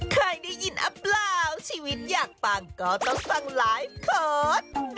ใครได้ยินอะเปล่าชีวิตอยากต่างก็ต้องสั่งไลฟ์คอร์ด